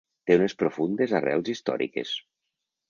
Té unes profundes arrels històriques.